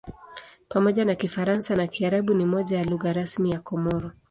Pamoja na Kifaransa na Kiarabu ni moja ya lugha rasmi ya Komori.